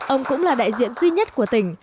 ông cũng là đại diện duy nhất của tỉnh